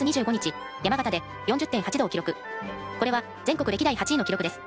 これは全国歴代８位の記録です。